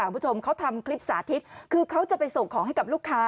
คุณผู้ชมเขาทำคลิปสาธิตคือเขาจะไปส่งของให้กับลูกค้า